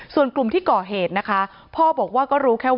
ส่วนกลุ่มที่ก่อเหตุนะคะพ่อบอกว่าก็รู้แค่ว่า